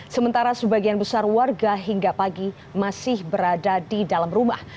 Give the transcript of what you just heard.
sementara sebagian besar warga hingga pagi masih berada di dalam rumah